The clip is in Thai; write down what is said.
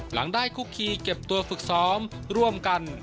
หลังได้คุกคีเก็บตัวฝึกซ้อมร่วมกัน